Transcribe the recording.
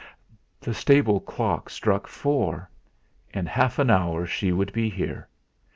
The stable clock struck four; in half an hour she would be here.